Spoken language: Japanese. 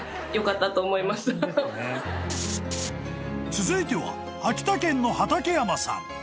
［続いては秋田県の畠山さん］